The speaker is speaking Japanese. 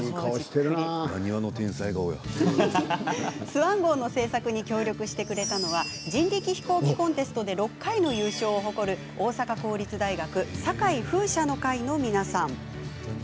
スワン号の製作に協力してくれたのは人力飛行機コンテストで６回の優勝を誇る大阪公立大学堺・風車の会の皆さん。